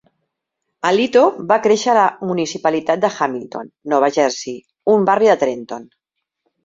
Alito va créixer a la municipalitat de Hamilton, Nova Jersey, un barri de Trenton.